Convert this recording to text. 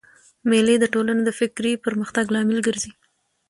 مېلې د ټولني د فکري پرمختګ لامل ګرځي.